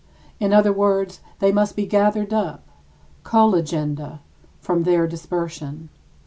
In other words, they must be gathered up [colligenda] from their dispersion.